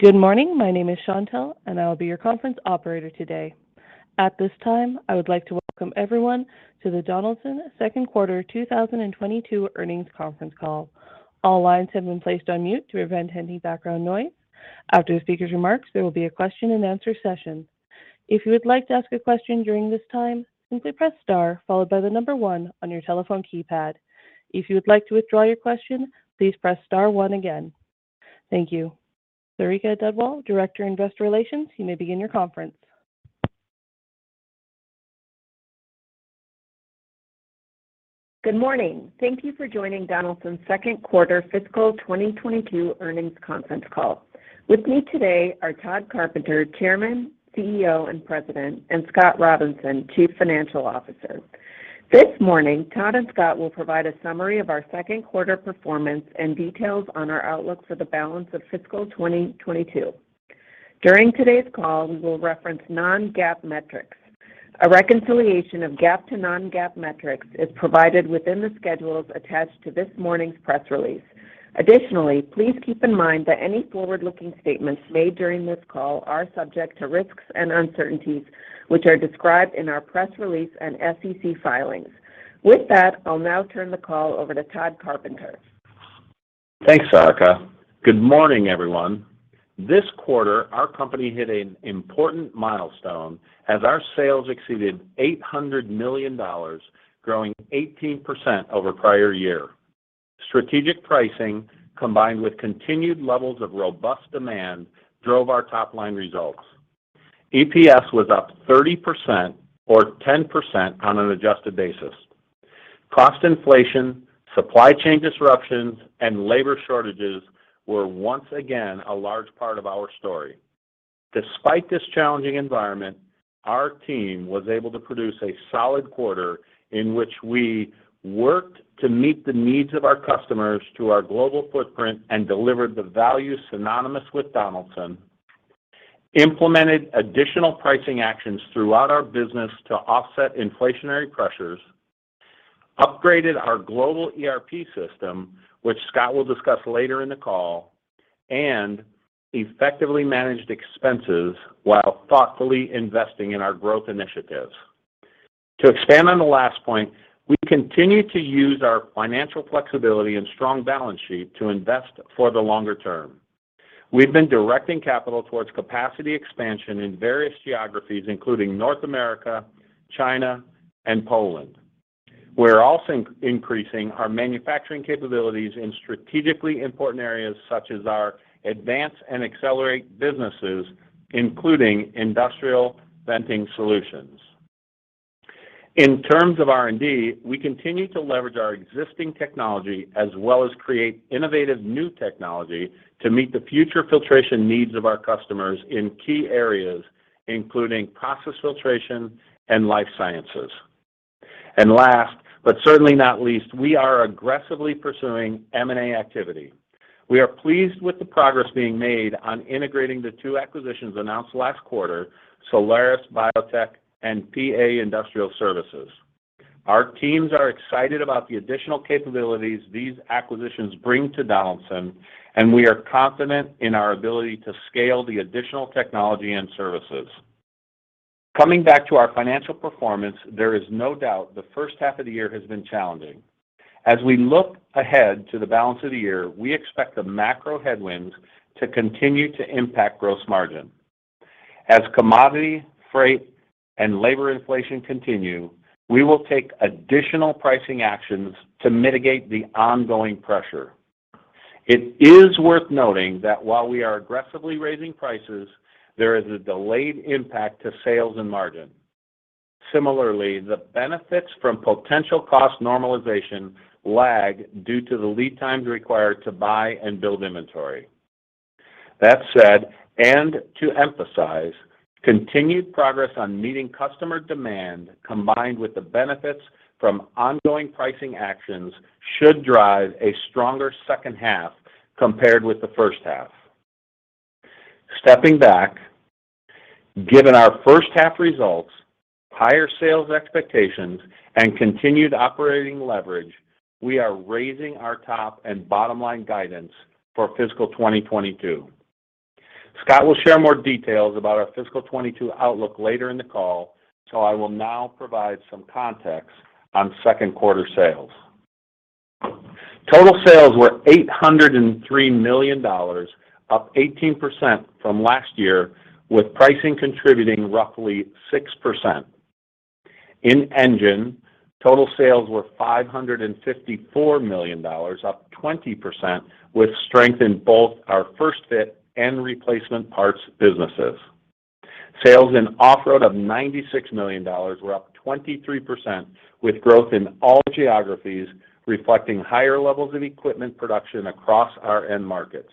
Good morning. My name is Chantelle, and I will be your conference Operator today. At this time, I would like to welcome everyone to the Donaldson Second Quarter 2022 Earnings Conference Call. All lines have been placed on mute to prevent any background noise. After the speaker's remarks, there will be a question and answer session. If you would like to ask a question during this time, simply press star followed by the number one on your telephone keypad. If you would like to withdraw your question, please press star one again. Thank you. Sarika Dhadwal, Director, Investor Relations, you may begin your conference. Good morning. Thank you for joining Donaldson's second quarter fiscal 2022 earnings conference call. With me today are Tod Carpenter, Chairman, CEO, and President, and Scott Robinson, Chief Financial Officer. This morning, Tod and Scott will provide a summary of our second quarter performance and details on our outlook for the balance of fiscal 2022. During today's call, we will reference non-GAAP metrics. A reconciliation of GAAP to non-GAAP metrics is provided within the schedules attached to this morning's press release. Additionally, please keep in mind that any forward-looking statements made during this call are subject to risks and uncertainties, which are described in our press release and SEC filings. With that, I'll now turn the call over to Tod Carpenter. Thanks, Sarika. Good morning, everyone. This quarter, our company hit an important milestone as our sales exceeded $800 million, growing 18% over prior year. Strategic pricing, combined with continued levels of robust demand, drove our top-line results. EPS was up 30% or 10% on an adjusted basis. Cost inflation, supply chain disruptions, and labor shortages were once again a large part of our story. Despite this challenging environment, our team was able to produce a solid quarter in which we worked to meet the needs of our customers through our global footprint and delivered the value synonymous with Donaldson, implemented additional pricing actions throughout our business to offset inflationary pressures, upgraded our global ERP system, which Scott will discuss later in the call, and effectively managed expenses while thoughtfully investing in our growth initiatives. To expand on the last point, we continue to use our financial flexibility and strong balance sheet to invest for the longer term. We've been directing capital towards capacity expansion in various geographies, including North America, China, and Poland. We're also increasing our manufacturing capabilities in strategically important areas such as our advance and accelerate businesses, including industrial venting solutions. In terms of R&D, we continue to leverage our existing technology as well as create innovative new technology to meet the future filtration needs of our customers in key areas, including process filtration and life sciences. Last, but certainly not least, we are aggressively pursuing M&A activity. We are pleased with the progress being made on integrating the two acquisitions announced last quarter, Solaris Biotechnology Srl and P-A Industrial Services. Our teams are excited about the additional capabilities these acquisitions bring to Donaldson, and we are confident in our ability to scale the additional technology and services. Coming back to our financial performance, there is no doubt the first half of the year has been challenging. As we look ahead to the balance of the year, we expect the macro headwinds to continue to impact gross margin. As commodity, freight, and labor inflation continue, we will take additional pricing actions to mitigate the ongoing pressure. It is worth noting that while we are aggressively raising prices, there is a delayed impact to sales and margin. Similarly, the benefits from potential cost normalization lag due to the lead times required to buy and build inventory. That said, and to emphasize, continued progress on meeting customer demand combined with the benefits from ongoing pricing actions should drive a stronger second half compared with the first half. Stepping back, given our first half results, higher sales expectations, and continued operating leverage, we are raising our top and bottom line guidance for fiscal 2022. Scott will share more details about our fiscal 2022 outlook later in the call, so I will now provide some context on second quarter sales. Total sales were $803 million, up 18% from last year, with pricing contributing roughly 6%. In Engine, total sales were $554 million, up 20% with strength in both our first-fit and replacement parts businesses. Sales in Off-Road of $96 million were up 23% with growth in all geographies, reflecting higher levels of equipment production across our end markets.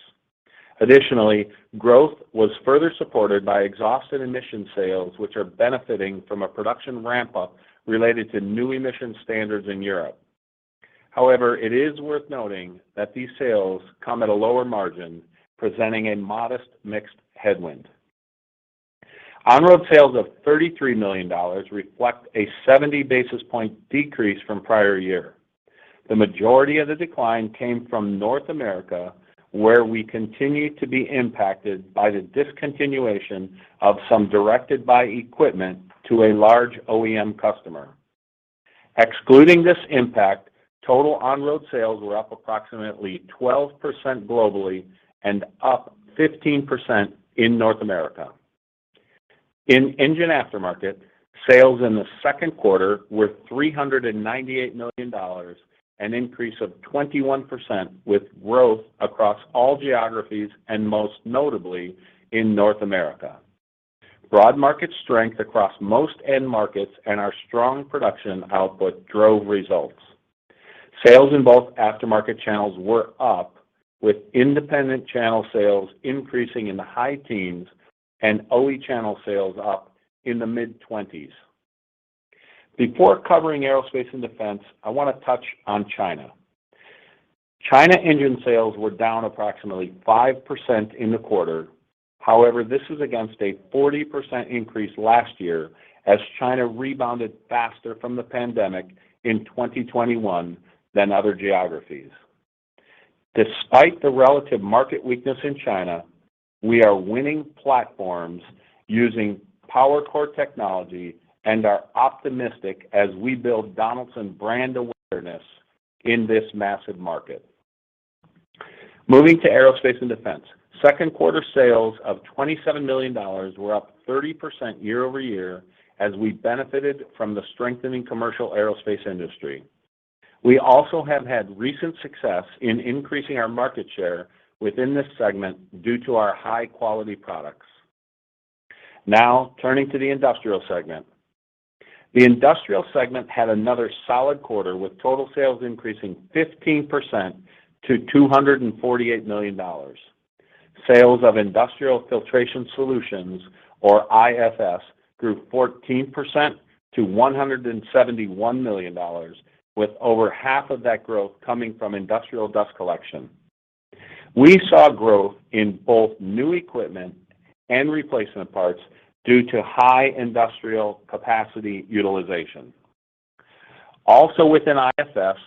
Additionally, growth was further supported by exhaust and emission sales, which are benefiting from a production ramp-up related to new emission standards in Europe. However, it is worth noting that these sales come at a lower margin, presenting a modest mix headwind. On-Road sales of $33 million reflect a 70 basis point decrease from prior year. The majority of the decline came from North America, where we continue to be impacted by the discontinuation of some directed-buy equipment to a large OEM customer. Excluding this impact, total on-road sales were up approximately 12% globally and up 15% in North America. In engine aftermarket, sales in the second quarter were $398 million, an increase of 21% with growth across all geographies, and most notably in North America. Broad market strength across most end markets and our strong production output drove results. Sales in both aftermarket channels were up, with independent channel sales increasing in the high teens% and OE channel sales up in the mid-twenties. Before covering aerospace and defense, I wanna touch on China. China engine sales were down approximately 5% in the quarter. However, this is against a 40% increase last year as China rebounded faster from the pandemic in 2021 than other geographies. Despite the relative market weakness in China, we are winning platforms using PowerCore technology and are optimistic as we build Donaldson brand awareness in this massive market. Moving to aerospace and defense. Second quarter sales of $27 million were up 30% year-over-year as we benefited from the strengthening commercial aerospace industry. We also have had recent success in increasing our market share within this segment due to our high quality products. Now turning to the Industrial segment. The Industrial segment had another solid quarter with total sales increasing 15% to $248 million. Sales of industrial filtration solutions, or IFS, grew 14% to $171 million with over half of that growth coming from industrial dust collection. We saw growth in both new equipment and replacement parts due to high industrial capacity utilization. Also within IFS,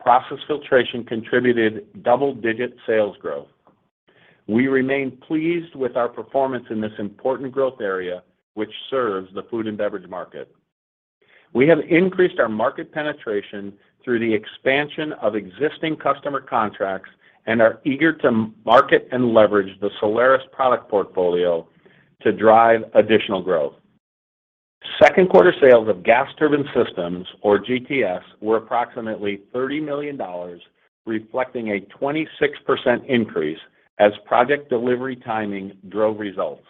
process filtration contributed double-digit sales growth. We remain pleased with our performance in this important growth area, which serves the food and beverage market. We have increased our market penetration through the expansion of existing customer contracts and are eager to market and leverage the Solaris product portfolio to drive additional growth. Second quarter sales of gas turbine systems, or GTS, were approximately $30 million, reflecting a 26% increase as project delivery timing drove results.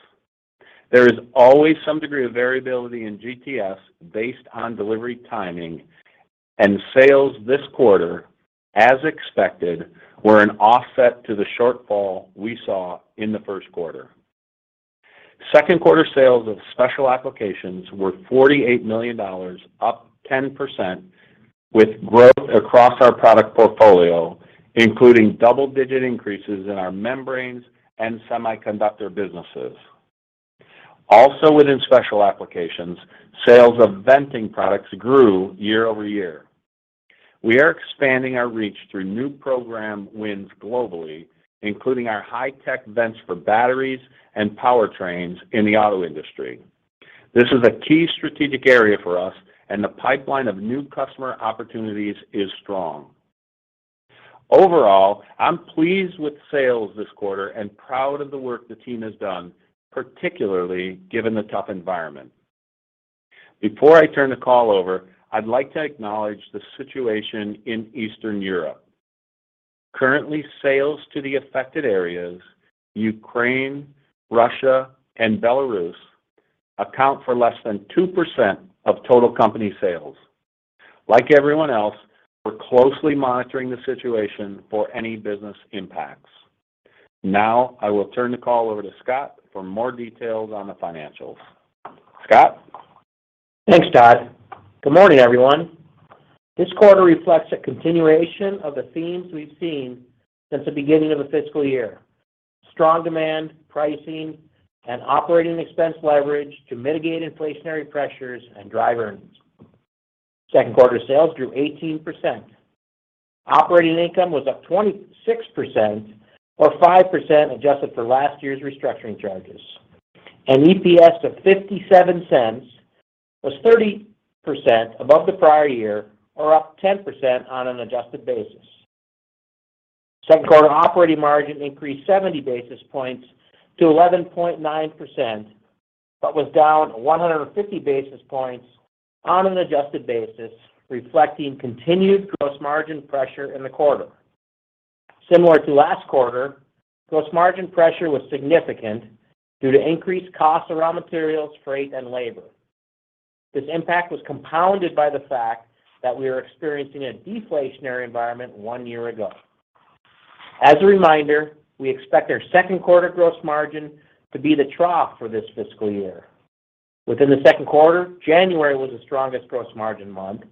There is always some degree of variability in GTS based on delivery timing, and sales this quarter, as expected, were an offset to the shortfall we saw in the first quarter. Second quarter sales of special applications were $48 million, up 10% with growth across our product portfolio, including double-digit increases in our membranes and semiconductor businesses. Also within special applications, sales of venting products grew year-over-year. We are expanding our reach through new program wins globally, including our high tech vents for batteries and powertrains in the auto industry. This is a key strategic area for us, and the pipeline of new customer opportunities is strong. Overall, I'm pleased with sales this quarter and proud of the work the team has done, particularly given the tough environment. Before I turn the call over, I'd like to acknowledge the situation in Eastern Europe. Currently, sales to the affected areas, Ukraine, Russia, and Belarus, account for less than 2% of total company sales. Like everyone else, we're closely monitoring the situation for any business impacts. Now I will turn the call over to Scott for more details on the financials. Scott? Thanks, Tod. Good morning, everyone. This quarter reflects a continuation of the themes we've seen since the beginning of the fiscal year. Strong demand, pricing, and operating expense leverage to mitigate inflationary pressures and drive earnings. Second quarter sales grew 18%. Operating income was up 26% or 5% adjusted for last year's restructuring charges. An EPS of $0.57 was 30% above the prior year or up 10% on an adjusted basis. Second quarter operating margin increased 70 basis points to 11.9%, but was down 150 basis points on an adjusted basis, reflecting continued gross margin pressure in the quarter. Similar to last quarter, gross margin pressure was significant due to increased costs around materials, freight, and labor. This impact was compounded by the fact that we were experiencing a deflationary environment one year ago. As a reminder, we expect our second quarter gross margin to be the trough for this fiscal year. Within the second quarter, January was the strongest gross margin month,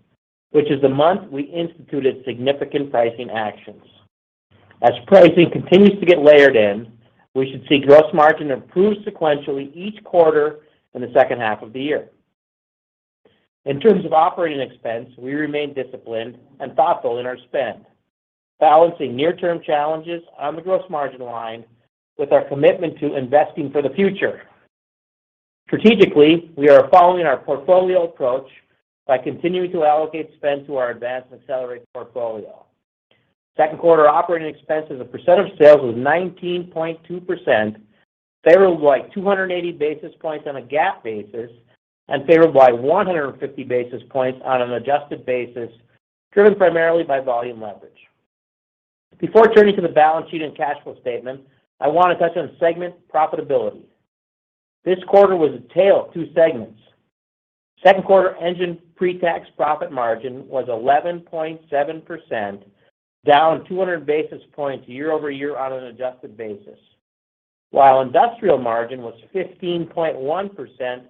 which is the month we instituted significant pricing actions. As pricing continues to get layered in, we should see gross margin improve sequentially each quarter in the second half of the year. In terms of operating expense, we remain disciplined and thoughtful in our spend, balancing near-term challenges on the gross margin line with our commitment to investing for the future. Strategically, we are following our portfolio approach by continuing to allocate spend to our advanced accelerated portfolio. Second quarter operating expense as a percent of sales was 19.2%, favorable by 280 basis points on a GAAP basis, and favorable by 150 basis points on an adjusted basis, driven primarily by volume leverage. Before turning to the balance sheet and cash flow statement, I want to touch on segment profitability. This quarter was a tale of two segments. Second quarter Engine pre-tax profit margin was 11.7%, down 200 basis points year-over-year on an adjusted basis, while Industrial margin was 15.1%,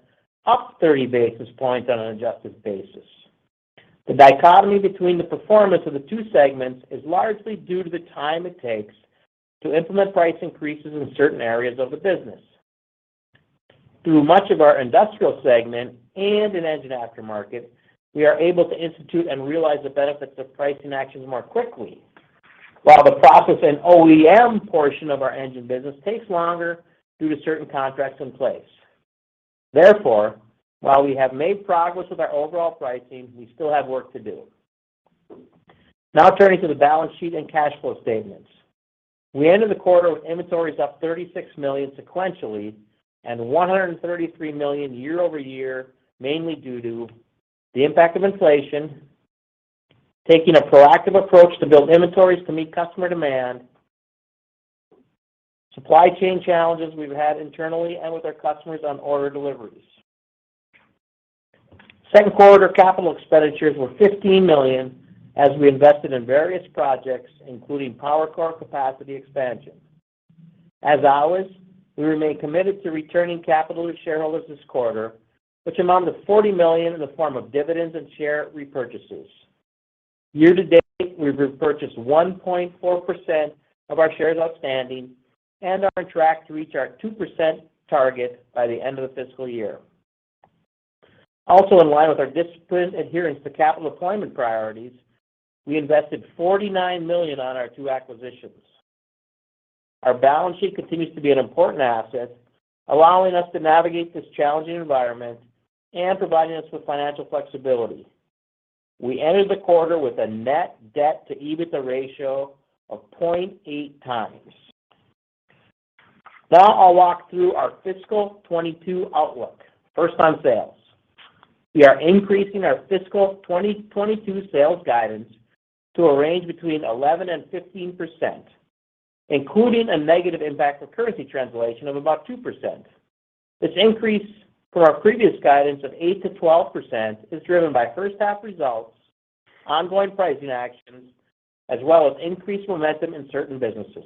up 30 basis points on an adjusted basis. The dichotomy between the performance of the two segments is largely due to the time it takes to implement price increases in certain areas of the business. Through much of our Industrial segment and in Engine aftermarket, we are able to institute and realize the benefits of pricing actions more quickly, while the process and OEM portion of our Engine business takes longer due to certain contracts in place. Therefore, while we have made progress with our overall pricing, we still have work to do. Now turning to the balance sheet and cash flow statements. We ended the quarter with inventories up $36 million sequentially and $133 million year-over-year, mainly due to the impact of inflation, taking a proactive approach to build inventories to meet customer demand, supply chain challenges we've had internally and with our customers on order deliveries. Second quarter capital expenditures were $15 million as we invested in various projects, including PowerCore capacity expansion. As always, we remain committed to returning capital to shareholders this quarter, which amount to $40 million in the form of dividends and share repurchases. Year to date, we've repurchased 1.4% of our shares outstanding and are on track to reach our 2% target by the end of the fiscal year. In line with our disciplined adherence to capital deployment priorities, we invested $49 million on our two acquisitions. Our balance sheet continues to be an important asset, allowing us to navigate this challenging environment and providing us with financial flexibility. We ended the quarter with a net debt to EBITDA ratio of 0.8 times. Now I'll walk through our fiscal 2022 outlook. First on sales. We are increasing our fiscal 2022 sales guidance to a range of 11%-15%, including a negative impact of currency translation of about 2%. This increase from our previous guidance of 8%-12% is driven by first half results, ongoing pricing actions, as well as increased momentum in certain businesses.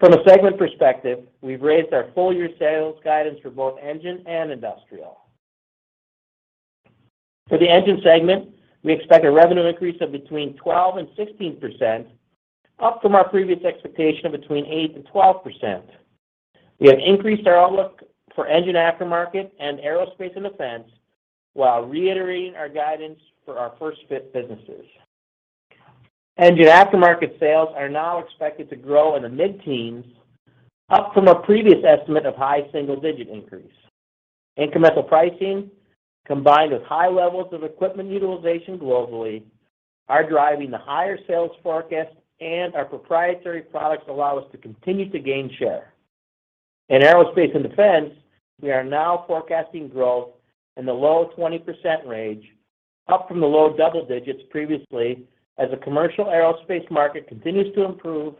From a segment perspective, we've raised our full year sales guidance for both engine and industrial. For the engine segment, we expect a revenue increase of between 12% and 16%, up from our previous expectation of between 8% and 12%. We have increased our outlook for engine aftermarket and aerospace and defense while reiterating our guidance for our first fit businesses. Engine aftermarket sales are now expected to grow in the mid-teens, up from a previous estimate of high single-digit increase. Incremental pricing combined with high levels of equipment utilization globally are driving the higher sales forecast, and our proprietary products allow us to continue to gain share. In aerospace and defense, we are now forecasting growth in the low 20% range, up from the low double digits previously as the commercial aerospace market continues to improve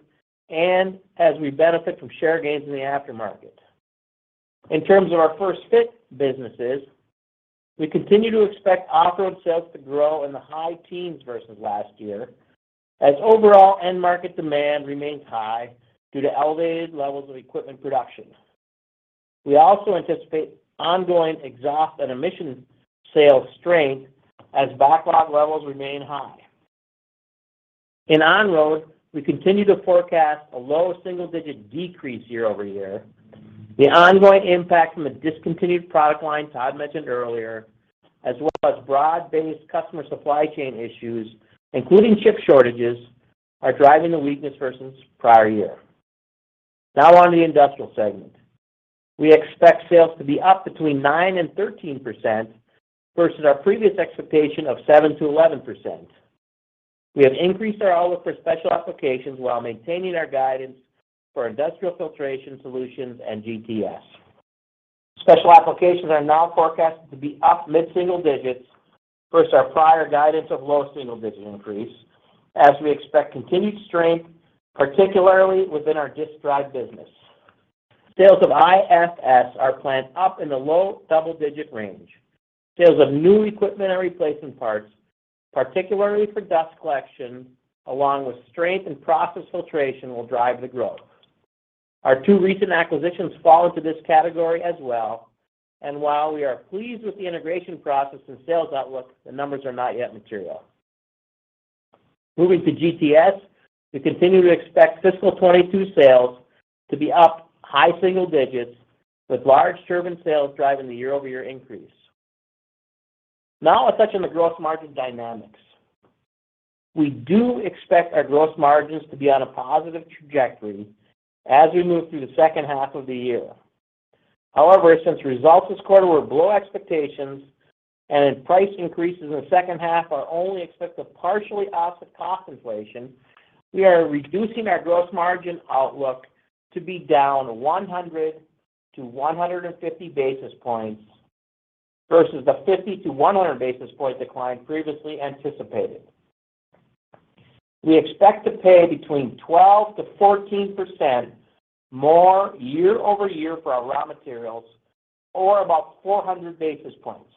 and as we benefit from share gains in the aftermarket. In terms of our first fit businesses, we continue to expect off-road sales to grow in the high teens versus last year as overall end market demand remains high due to elevated levels of equipment production. We also anticipate ongoing exhaust and emissions sales strength as backlog levels remain high. In on-road, we continue to forecast a low single-digit decrease year-over-year. The ongoing impact from a discontinued product line Tod mentioned earlier, as well as broad-based customer supply chain issues, including chip shortages, are driving the weakness versus prior year. Now on the industrial segment. We expect sales to be up between 9% and 13% versus our previous expectation of 7%-11%. We have increased our outlook for special applications while maintaining our guidance for industrial filtration solutions and GTS. Special applications are now forecasted to be up mid-single digits versus our prior guidance of low single digit increase as we expect continued strength, particularly within our disk drive business. Sales of IFS are planned up in the low double digit range. Sales of new equipment and replacement parts, particularly for dust collection along with strength in process filtration, will drive the growth. Our two recent acquisitions fall into this category as well, and while we are pleased with the integration process and sales outlook, the numbers are not yet material. Moving to GTS, we continue to expect fiscal 2022 sales to be up high single digits with large turbine sales driving the year-over-year increase. Now a touch on the gross margin dynamics. We do expect our gross margins to be on a positive trajectory as we move through the second half of the year. However, since results this quarter were below expectations and price increases in the second half are only expected to partially offset cost inflation, we are reducing our gross margin outlook to be down 100-150 basis points versus the 50-100 basis point decline previously anticipated. We expect to pay between 12%-14% more year-over-year for our raw materials or about 400 basis points.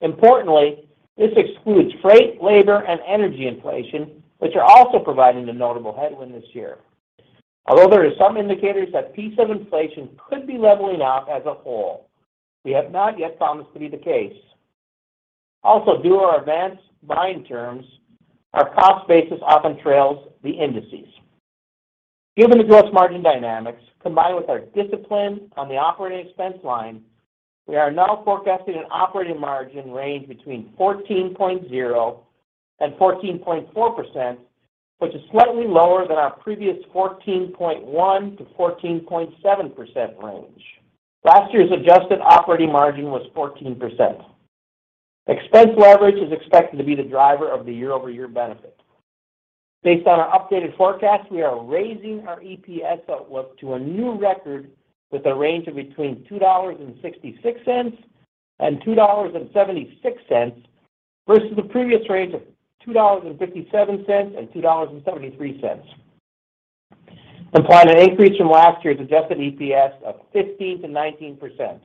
Importantly, this excludes freight, labor, and energy inflation, which are also providing a notable headwind this year. Although there are some indicators that piece of inflation could be leveling off as a whole, we have not yet found this to be the case. Also due to our advanced buying terms, our cost basis often trails the indices. Given the gross margin dynamics, combined with our discipline on the operating expense line, we are now forecasting an operating margin range between 14.0% and 14.4%, which is slightly lower than our previous 14.1%-14.7% range. Last year's adjusted operating margin was 14%. Expense leverage is expected to be the driver of the year-over-year benefit. Based on our updated forecast, we are raising our EPS outlook to a new record with a range of between $2.66 and $2.76 versus the previous range of $2.57 and $2.73, implying an increase from last year's adjusted EPS of 15%-19%.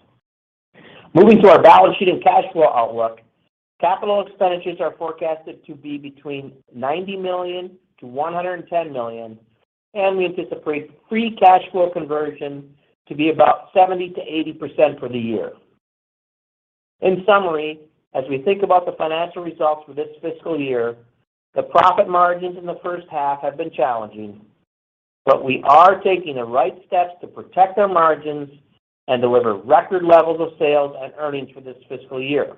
Moving to our balance sheet and cash flow outlook, capital expenditures are forecasted to be between $90 million-$110 million, and we anticipate free cash flow conversion to be about 70%-80% for the year. In summary, as we think about the financial results for this fiscal year, the profit margins in the first half have been challenging, but we are taking the right steps to protect our margins and deliver record levels of sales and earnings for this fiscal year.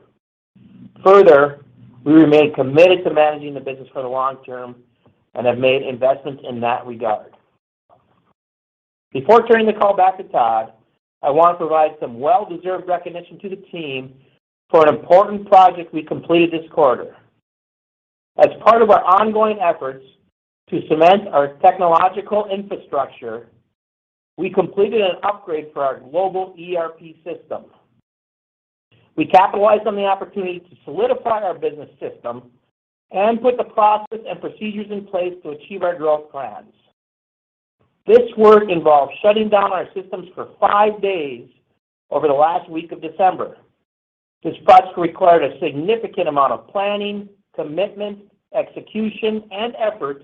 Further, we remain committed to managing the business for the long term and have made investments in that regard. Before turning the call back to Tod, I want to provide some well-deserved recognition to the team for an important project we completed this quarter. As part of our ongoing efforts to cement our technological infrastructure, we completed an upgrade for our global ERP system. We capitalized on the opportunity to solidify our business system and put the process and procedures in place to achieve our growth plans. This work involved shutting down our systems for five days over the last week of December. This project required a significant amount of planning, commitment, execution, and effort,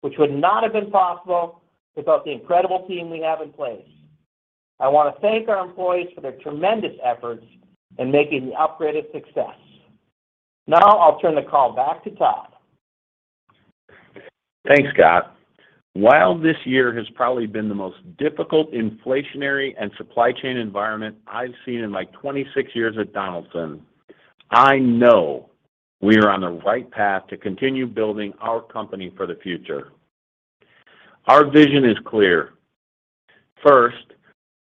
which would not have been possible without the incredible team we have in place. I want to thank our employees for their tremendous efforts in making the upgrade a success. Now I'll turn the call back to Tod. Thanks, Scott. While this year has probably been the most difficult inflationary and supply chain environment I've seen in my 26 years at Donaldson, I know we are on the right path to continue building our company for the future. Our vision is clear. First,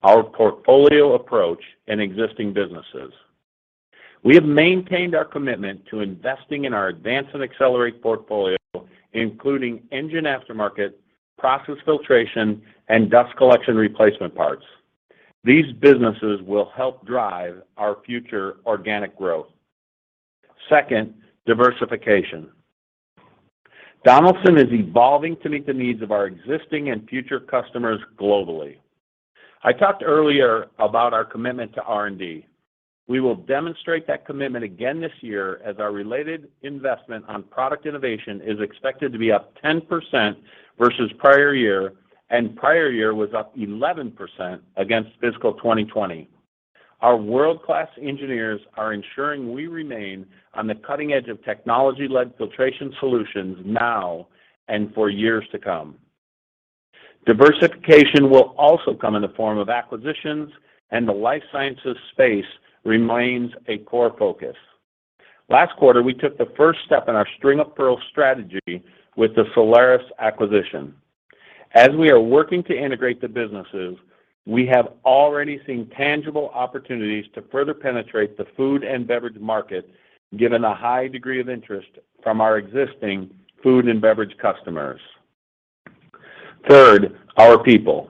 our portfolio approach in existing businesses. We have maintained our commitment to investing in our advance and accelerate portfolio, including engine aftermarket, process filtration, and dust collection replacement parts. These businesses will help drive our future organic growth. Second, diversification. Donaldson is evolving to meet the needs of our existing and future customers globally. I talked earlier about our commitment to R&D. We will demonstrate that commitment again this year as our related investment on product innovation is expected to be up 10% versus prior year, and prior year was up 11% against fiscal 2020. Our world-class engineers are ensuring we remain on the cutting edge of technology-led filtration solutions now and for years to come. Diversification will also come in the form of acquisitions, and the life sciences space remains a core focus. Last quarter, we took the first step in our String of Pearls strategy with the Solaris acquisition. As we are working to integrate the businesses, we have already seen tangible opportunities to further penetrate the food and beverage market, given a high degree of interest from our existing food and beverage customers. Third, our people.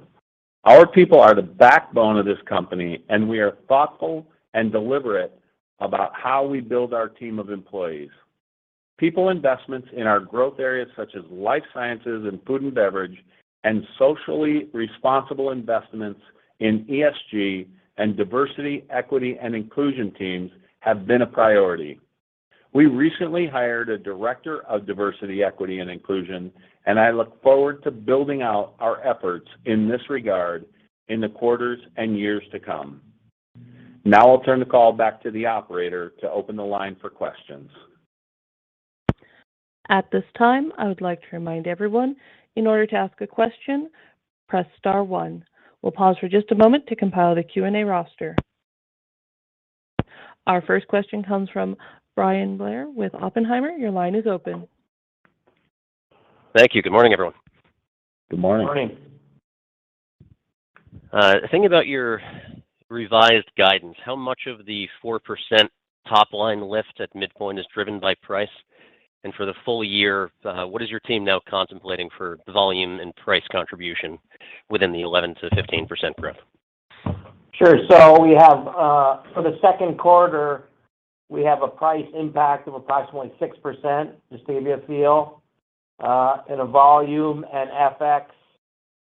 Our people are the backbone of this company, and we are thoughtful and deliberate about how we build our team of employees. People investments in our growth areas such as life sciences and food and beverage and socially responsible investments in ESG and diversity, equity, and inclusion teams have been a priority. We recently hired a director of diversity, equity, and inclusion, and I look forward to building out our efforts in this regard in the quarters and years to come. Now I'll turn the call back to the operator to open the line for questions. At this time, I would like to remind everyone, in order to ask a question, press star one. We'll pause for just a moment to compile the Q&A roster. Our first question comes from Bryan Blair with Oppenheimer. Your line is open. Thank you. Good morning, everyone. Good morning. Good morning. Thinking about your revised guidance, how much of the 4% top-line lift at midpoint is driven by price? For the full year, what is your team now contemplating for volume and price contribution within the 11%-15% growth? Sure. We have for the second quarter, we have a price impact of approximately 6%, just to give you a feel, and a volume and FX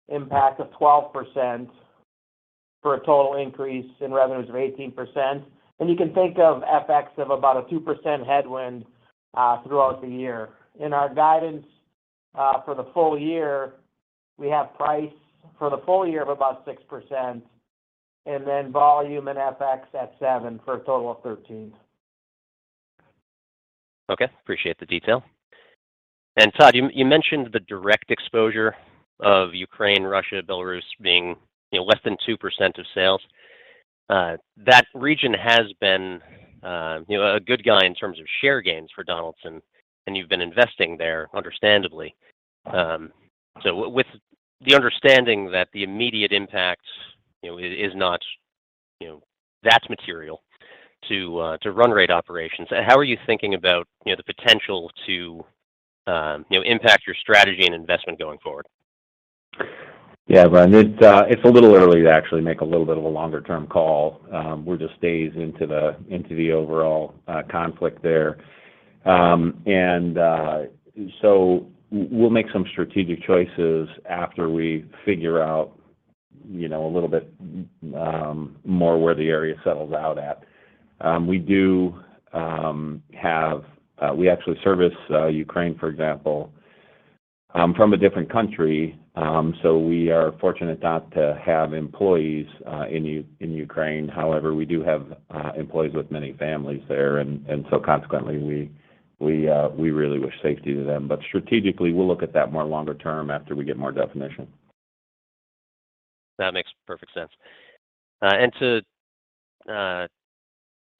impact of 12% for a total increase in revenues of 18%. You can think of FX of about a 2% headwind throughout the year. In our guidance, for the full year, we have price for the full year of about 6% and then volume and FX at 7% for a total of 13%. Okay. Appreciate the detail. Tod, you mentioned the direct exposure of Ukraine, Russia, Belarus being, you know, less than 2% of sales. That region has been, you know, a good guy in terms of share gains for Donaldson, and you've been investing there understandably. With the understanding that the immediate impact, you know, is not, you know, that's material to run rate operations, how are you thinking about, you know, the potential to impact your strategy and investment going forward? Yeah. Bryan, it's a little early to actually make a little bit of a longer term call. We're just days into the overall conflict there. We'll make some strategic choices after we figure out, you know, a little bit more where the area settles out at. We actually service Ukraine, for example, from a different country. We are fortunate not to have employees in Ukraine. However, we do have employees with many families there and so consequently, we really wish safety to them. Strategically, we'll look at that more longer term after we get more definition. That makes perfect sense. To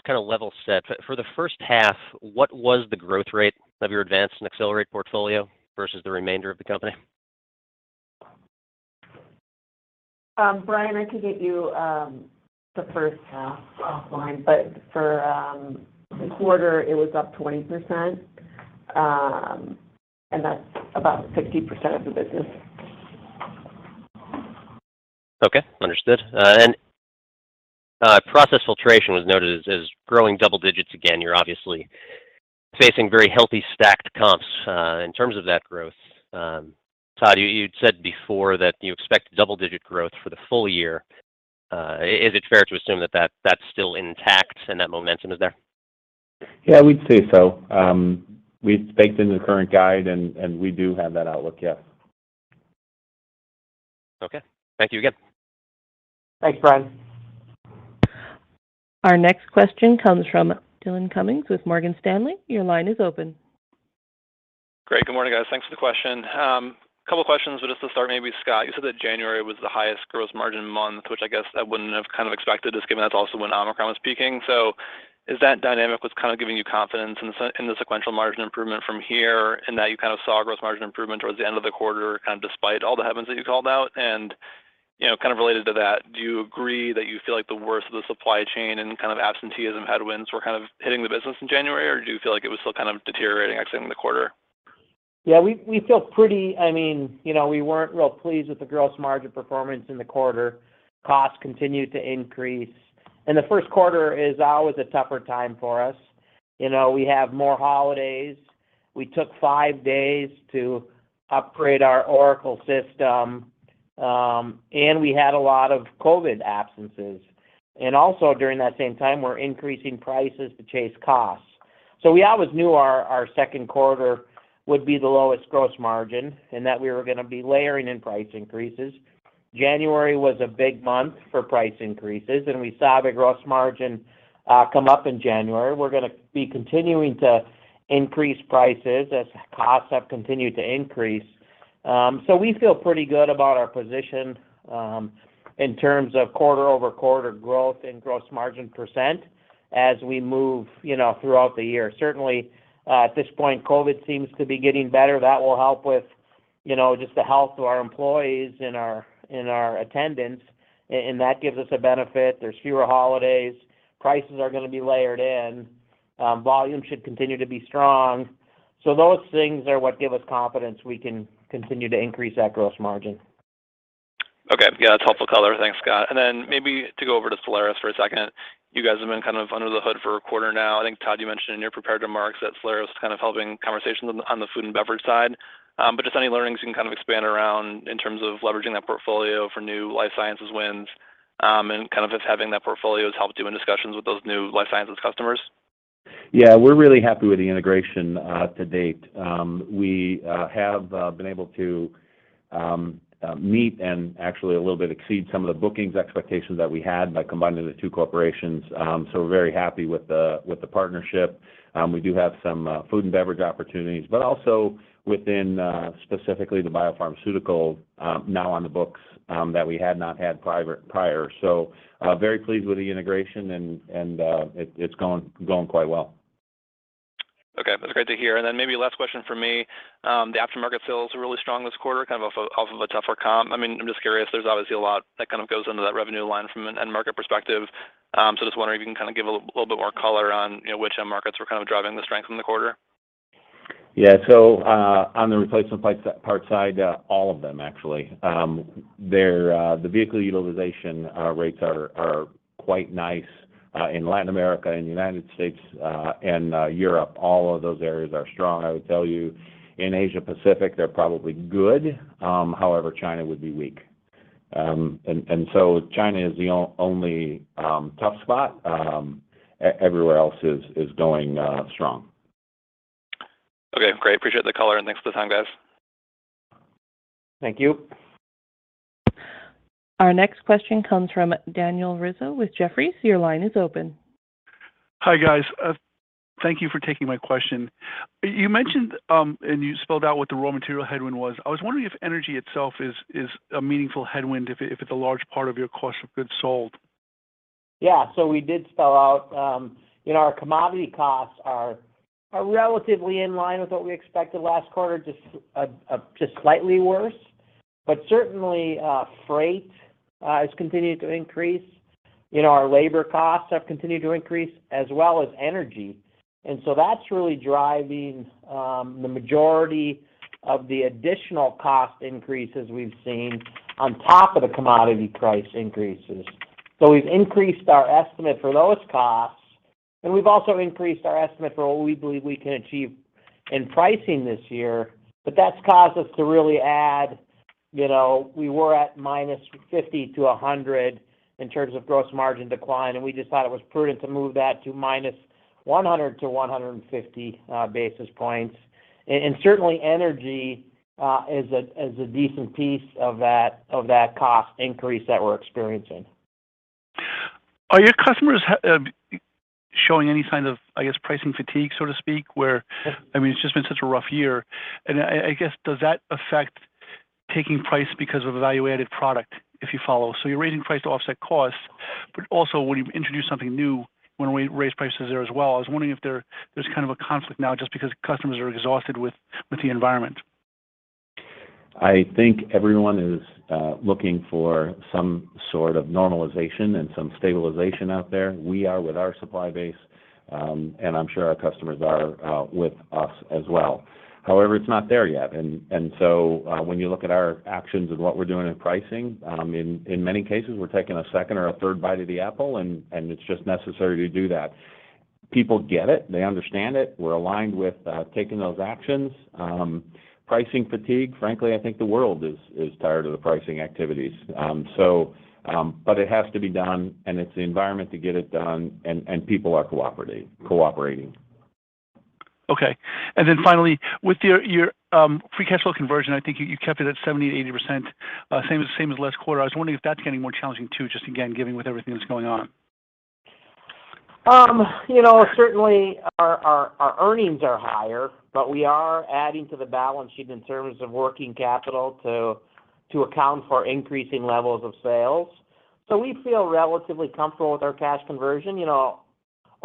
kind of level set, for the first half, what was the growth rate of your advanced and accelerate portfolio versus the remainder of the company? Bryan, I can get you the first half offline, but for the quarter, it was up 20%. That's about 60% of the business. Okay. Understood. Process filtration was noted as growing double digits again. You're obviously facing very healthy stacked comps in terms of that growth. Tod, you'd said before that you expect double-digit growth for the full year. Is it fair to assume that that's still intact and that momentum is there? Yeah, we'd say so. We've baked into the current guide and we do have that outlook. Yes. Okay. Thank you again. Thanks, Bryan. Our next question comes from Dillon Cumming with Morgan Stanley. Your line is open. Great. Good morning, guys. Thanks for the question. Couple questions, but just to start, maybe, Scott, you said that January was the highest gross margin month, which I guess I wouldn't have kind of expected just given that's also when Omicron was peaking. Is that dynamic what's kind of giving you confidence in the sequential margin improvement from here and that you kind of saw gross margin improvement towards the end of the quarter, kind of despite all the headwinds that you called out? You know, kind of related to that, do you agree that you feel like the worst of the supply chain and kind of absenteeism headwinds were kind of hitting the business in January, or do you feel like it was still kind of deteriorating actually in the quarter? Yeah, we feel pretty. I mean, you know, we weren't real pleased with the gross margin performance in the quarter. Costs continued to increase. The first quarter is always a tougher time for us. You know, we have more holidays. We took five days to upgrade our Oracle system, and we had a lot of COVID absences. Also during that same time, we're increasing prices to chase costs. We always knew our second quarter would be the lowest gross margin and that we were gonna be layering in price increases. January was a big month for price increases, and we saw the gross margin come up in January. We're gonna be continuing to increase prices as costs have continued to increase. We feel pretty good about our position in terms of quarter-over-quarter growth and gross margin percent as we move, you know, throughout the year. Certainly, at this point, COVID seems to be getting better. That will help with, you know, just the health of our employees and our attendance. That gives us a benefit. There's fewer holidays. Prices are gonna be layered in. Volume should continue to be strong. Those things are what give us confidence we can continue to increase that gross margin. Okay. Yeah, that's helpful color. Thanks, Scott. Maybe to go over to Solaris for a second. You guys have been kind of under the hood for a quarter now. I think, Tod, you mentioned in your prepared remarks that Solaris is kind of helping conversations on the food and beverage side. Just any learnings you can kind of expand around in terms of leveraging that portfolio for new life sciences wins, and kind of just having that portfolio has helped you in discussions with those new life sciences customers? Yeah, we're really happy with the integration to date. We have been able to meet and actually a little bit exceed some of the bookings expectations that we had by combining the two corporations. We're very happy with the partnership. We do have some food and beverage opportunities, but also within specifically the biopharmaceutical now on the books that we had not had prior. Very pleased with the integration and it's going quite well. Okay. That's great to hear. Maybe last question from me. The aftermarket sales are really strong this quarter, kind of off of a tougher comp. I mean, I'm just curious, there's obviously a lot that kind of goes into that revenue line from an end market perspective. So just wondering if you can kind of give a little bit more color on, you know, which end markets were kind of driving the strength in the quarter. Yeah. On the replacement parts side, all of them actually. Their vehicle utilization rates are quite nice in Latin America and United States, and Europe. All of those areas are strong. I would tell you in Asia Pacific, they're probably good. However, China would be weak. China is the only tough spot. Everywhere else is going strong. Okay, great. Appreciate the color, and thanks for the time, guys. Thank you. Our next question comes from Daniel Rizzo with Jefferies. Your line is open. Hi, guys. Thank you for taking my question. You mentioned, and you spelled out what the raw material headwind was. I was wondering if energy itself is a meaningful headwind if it's a large part of your cost of goods sold. Yeah. We did spell out, you know, our commodity costs are relatively in line with what we expected last quarter, just slightly worse. Certainly, freight has continued to increase. You know, our labor costs have continued to increase as well as energy. That's really driving the majority of the additional cost increases we've seen on top of the commodity price increases. We've increased our estimate for those costs, and we've also increased our estimate for what we believe we can achieve in pricing this year. That's caused us to really add, you know, we were at minus 50 to 100 in terms of gross margin decline, and we just thought it was prudent to move that to minus 100 to 150 basis points. Certainly energy is a decent piece of that cost increase that we're experiencing. Are your customers showing any signs of, I guess, pricing fatigue, so to speak, where, I mean, it's just been such a rough year. I guess, does that affect taking price because of a value-added product, if you follow? You're raising price to offset costs, but also when you introduce something new, wanna raise prices there as well. I was wondering if there's kind of a conflict now just because customers are exhausted with the environment. I think everyone is looking for some sort of normalization and some stabilization out there. We are with our supply base, and I'm sure our customers are with us as well. However, it's not there yet. When you look at our actions and what we're doing in pricing, in many cases, we're taking a second or a third bite of the apple, and it's just necessary to do that. People get it. They understand it. We're aligned with taking those actions. Pricing fatigue, frankly, I think the world is tired of the pricing activities. It has to be done and it's the environment to get it done and people are cooperating. Okay. Finally, with your free cash flow conversion, I think you kept it at 70%-80%, same as last quarter. I was wondering if that's getting more challenging too, just again, given everything that's going on. You know, certainly our earnings are higher, but we are adding to the balance sheet in terms of working capital to account for increasing levels of sales. We feel relatively comfortable with our cash conversion. You know,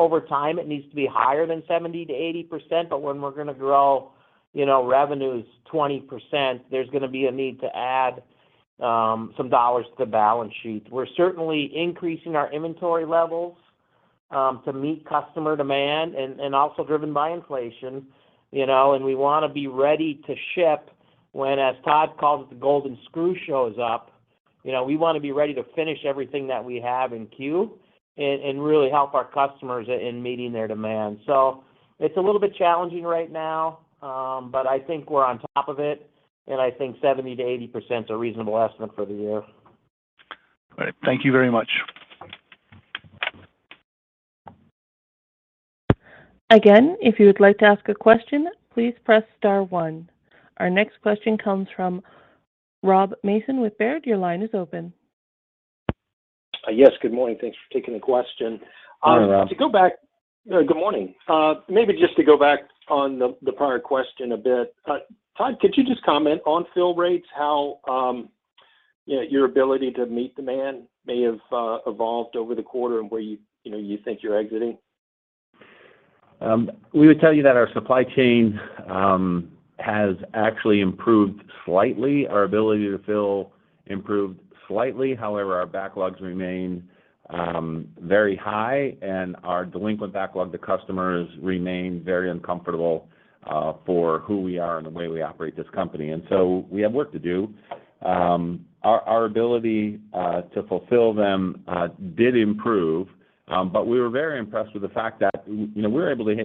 over time, it needs to be higher than 70%-80%. When we're gonna grow, you know, revenues 20%, there's gonna be a need to add some dollars to the balance sheet. We're certainly increasing our inventory levels to meet customer demand and also driven by inflation, you know. We wanna be ready to ship when, as Tod calls it, the golden screw shows up. You know, we wanna be ready to finish everything that we have in queue and really help our customers in meeting their demand. It's a little bit challenging right now, but I think we're on top of it, and I think 70%-80% is a reasonable estimate for the year. All right. Thank you very much. Our next question comes from Robert Mason with Baird. Your line is open. Yes, good morning. Thanks for taking the question. Good morning, Rob. Good morning. Maybe just to go back on the prior question a bit. Tod, could you just comment on fill rates, how, you know, your ability to meet demand may have evolved over the quarter and where you know, you think you're exiting? We would tell you that our supply chain has actually improved slightly. Our ability to fill improved slightly. However, our backlogs remain very high, and our delinquent backlog to customers remain very uncomfortable for who we are and the way we operate this company. We have work to do. Our ability to fulfill them did improve. But we were very impressed with the fact that, you know, we were able to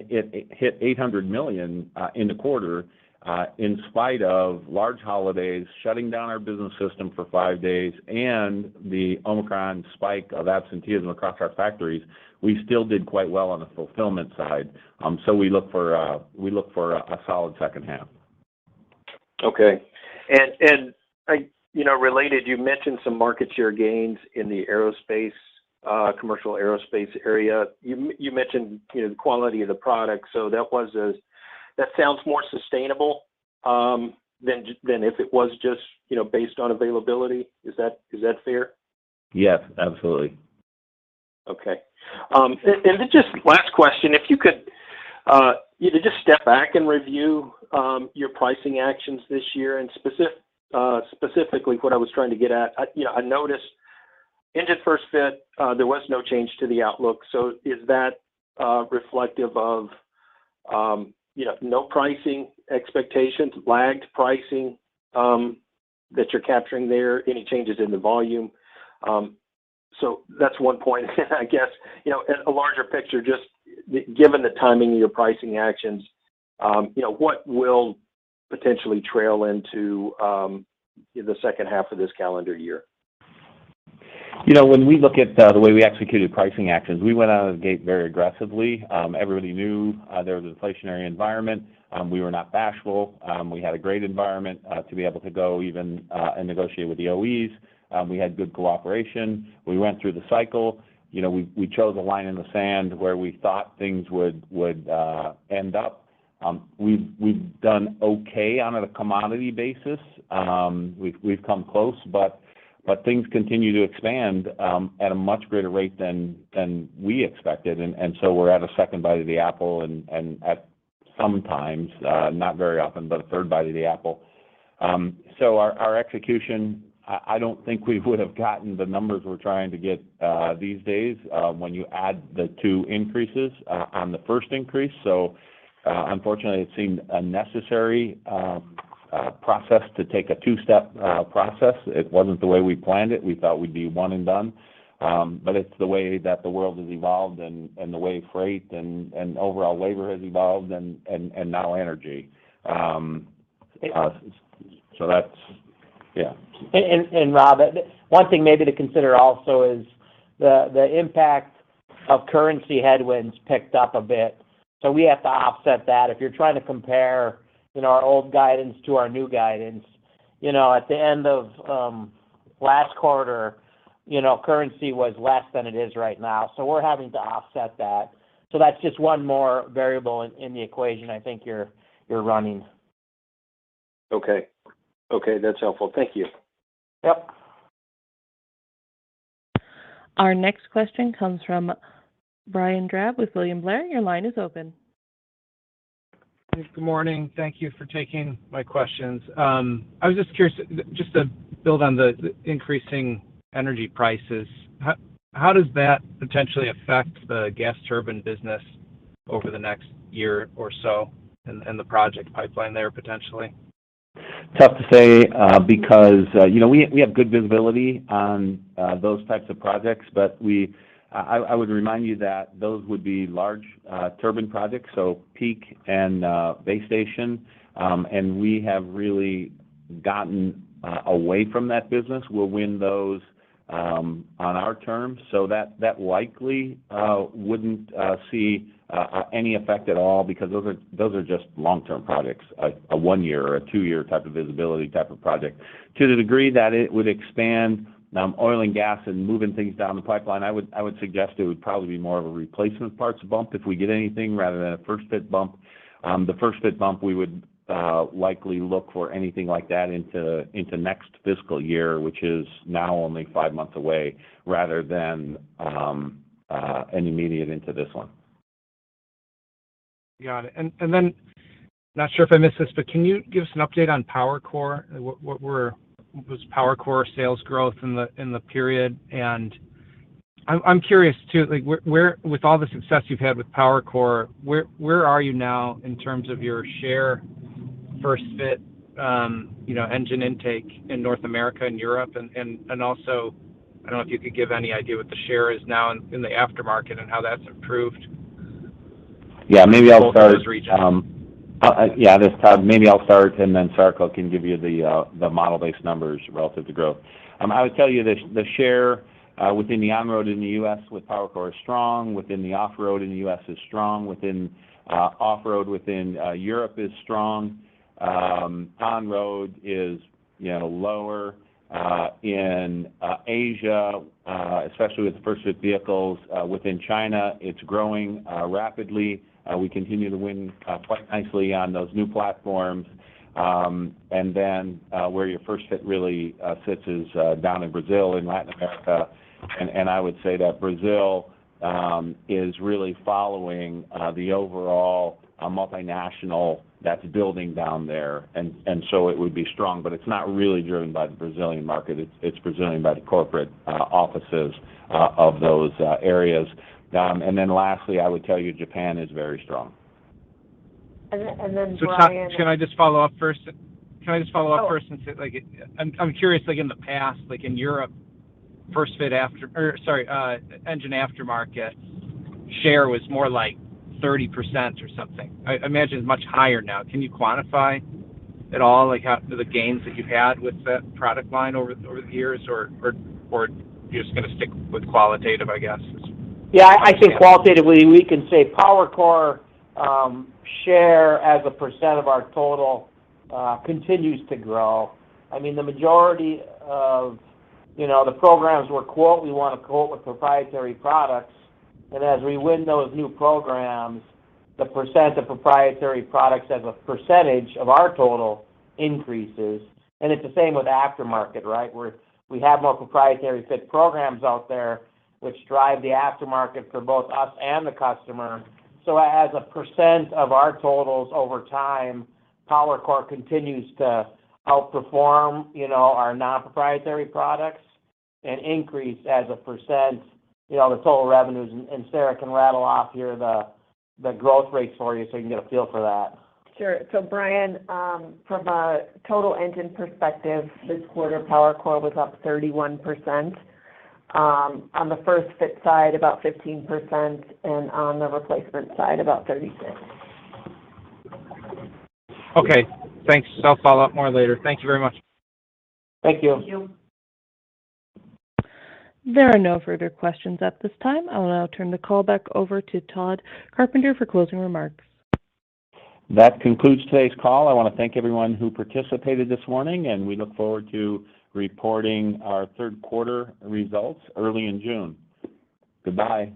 hit $800 million in the quarter in spite of large holidays, shutting down our business system for five days, and the Omicron spike of absenteeism across our factories. We still did quite well on the fulfillment side. We look for a solid second half. Okay. You know, related, you mentioned some market share gains in the aerospace, commercial aerospace area. You mentioned, you know, the quality of the product, so that sounds more sustainable than if it was just, you know, based on availability. Is that fair? Yes, absolutely. Okay. Just last question, if you could, you know, just step back and review your pricing actions this year and specifically what I was trying to get at. You know, I noticed in the first half there was no change to the outlook. Is that reflective of, you know, no pricing expectations, lagged pricing that you're capturing there, any changes in the volume? That's one point I guess. You know, in a larger picture, just given the timing of your pricing actions, you know, what will potentially trail into, you know, the second half of this calendar year? You know, when we look at the way we executed pricing actions, we went out of the gate very aggressively. Everybody knew there was an inflationary environment. We were not bashful. We had a great environment to be able to go in and negotiate with the OEs. We had good cooperation. We went through the cycle. You know, we chose a line in the sand where we thought things would end up. We've done okay on a commodity basis. We've come close, but things continue to expand at a much greater rate than we expected. We're at a second bite of the apple and at times, not very often, but a third bite of the apple. Our execution, I don't think we would have gotten the numbers we're trying to get these days, when you add the two increases on the first increase. Unfortunately, it seemed a necessary process to take a two-step process. It wasn't the way we planned it. We thought we'd be one and done. It's the way that the world has evolved and the way freight and overall labor has evolved and now energy. That's yeah. Rob, one thing maybe to consider also is the impact of currency headwinds picked up a bit. We have to offset that. If you're trying to compare, you know, our old guidance to our new guidance, you know, at the end of last quarter, you know, currency was less than it is right now. We're having to offset that. That's just one more variable in the equation I think you're running. Okay. Okay, that's helpful. Thank you. Yep. Our next question comes from Bryan Drab with William Blair. Your line is open. Good morning. Thank you for taking my questions. I was just curious, just to build on the increasing energy prices, how does that potentially affect the gas turbine business over the next year or so and the project pipeline there potentially? Tough to say, because, you know, we have good visibility on those types of projects, but I would remind you that those would be large turbine projects, so peak and base station, and we have really gotten away from that business. We'll win those on our terms. That likely wouldn't see any effect at all because those are just long-term projects, a one-year or a two-year type of visibility type of project. To the degree that it would expand oil and gas and moving things down the pipeline, I would suggest it would probably be more of a replacement parts bump if we get anything rather than a first-fit bump. The first-fit bump, we would likely look for anything like that into next fiscal year, which is now only five months away rather than any immediate into this one. Got it. not sure if I missed this, but can you give us an update on PowerCore? What was PowerCore sales growth in the period? I'm curious too, like where with all the success you've had with PowerCore, where are you now in terms of your share first fit, you know, engine intake in North America and Europe? also, I don't know if you could give any idea what the share is now in the aftermarket and how that's improved. Yeah, maybe I'll start. Both of those regions. Yeah, this time maybe I'll start and then Sarika can give you the model-based numbers relative to growth. I would tell you the share within the on-road in the U.S. with PowerCore is strong, within the off-road in the U.S. is strong, within off-road within Europe is strong. On-road is, you know, lower in Asia, especially with first-fit vehicles. Within China, it's growing rapidly. We continue to win quite nicely on those new platforms. Where your first fit really sits is down in Brazil, in Latin America. I would say that Brazil is really following the overall multinational that's building down there. It would be strong, but it's not really driven by the Brazilian market. It's driven by the corporate offices of those areas. Lastly, I would tell you Japan is very strong. And then, and then, Bryan. Tod, can I just follow up first and say like, I'm curious, like in the past, like in Europe, engine aftermarket share was more like 30% or something. I imagine it's much higher now. Can you quantify at all, like, how the gains that you've had with that product line over the years or you're just gonna stick with qualitative, I guess? Yeah, I think qualitatively, we can say PowerCore share as a percent of our total continues to grow. I mean, the majority of, you know, the programs we wanna quote with proprietary products. As we win those new programs, the percent of proprietary products as a percentage of our total increases. It's the same with aftermarket, right? We have more proprietary fit programs out there which drive the aftermarket for both us and the customer. As a percent of our totals over time, PowerCore continues to outperform, you know, our non-proprietary products and increase as a percent, you know, the total revenues. Sarika can rattle off here the growth rates for you, so you can get a feel for that. Sure. Bryan, from a total engine perspective, this quarter PowerCore was up 31%. On the first fit side, about 15%, and on the replacement side, about 36%. Okay. Thanks. I'll follow up more later. Thank you very much. Thank you. Thank you. There are no further questions at this time. I'll now turn the call back over to Tod Carpenter for closing remarks. That concludes today's call. I wanna thank everyone who participated this morning, and we look forward to reporting our third quarter results early in June. Goodbye.